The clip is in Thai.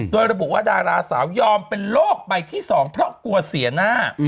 โดยระบุว่าดาราสาวยอมเป็นโรคใบที่๒เพราะกลัวเสียหน้า